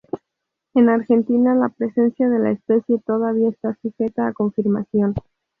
En Argentina la presencia de la especie todavía está sujeta a confirmación.